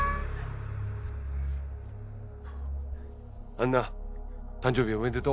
アンナ誕生日おめでとう。